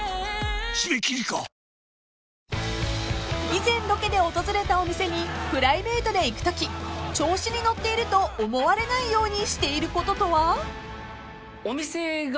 ［以前ロケで訪れたお店にプライベートで行くとき調子に乗っていると思われないようにしていることとは？］